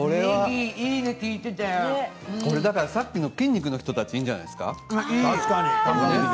さっきの筋肉の人たちにいいんじゃないですか。